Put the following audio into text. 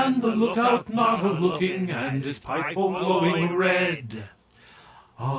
the look out not a looking and his pipe bowl glowing red. Ah!